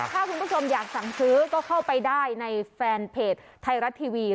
ถ้าคุณผู้ชมอยากสั่งซื้อก็เข้าไปได้ในแฟนเพจไทยรัฐทีวี